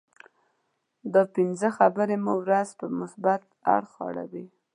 دا پنځه خبرې مو ورځ په مثبت اړخ اړوي.